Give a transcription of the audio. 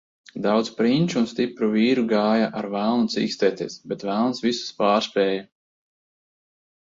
Daudz prinču un stipru vīru gāja ar velnu cīkstēties, bet velns visus pārspēja.